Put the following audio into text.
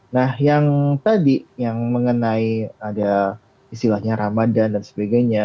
nah yang tadi yang mengenai ada istilahnya ramadan dan sebagainya